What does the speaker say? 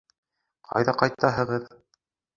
— Ҡайҙа ҡайтаһығыҙ?